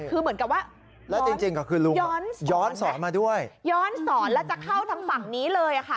คือเหมือนกับว่าย้อนสอนแล้วจะเข้าทางฝั่งนี้เลยค่ะ